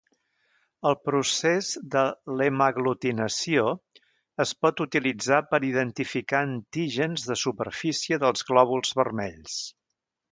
El procés de l'hemaglutinació es pot utilitzar per identificar antígens de superfície dels glòbuls vermells.